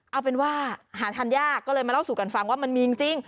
เอาเป็นว่าหาทานยากก็เลยมาเล่าสู่กันฟังว่ามันมีจริง